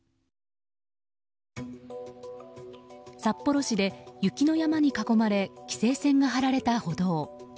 札幌市で雪の山に囲まれ規制線が張られた歩道。